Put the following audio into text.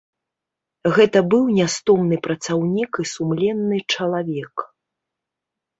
Гэта быў нястомны працаўнік і сумленны чалавек.